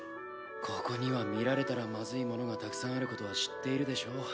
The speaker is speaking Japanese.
ここには見られたらまずいものがたくさんあることは知っているでしょう？